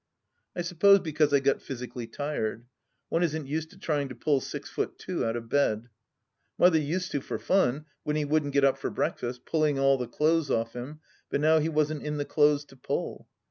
I suppose because I got physically tired. One isn't used to trying to pull six foot two out of bed. Mother used to for fun, when he wouldn't get up for breakfast, pulling all the clothes off him, but now he wasn't in the clothes to pull.